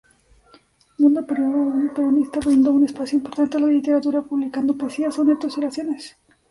Mundo Peronista brindó un espacio importante a la literatura, publicando poesía, sonetos y oraciones.